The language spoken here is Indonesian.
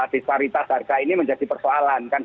disparitas harga ini menjadi persoalan kan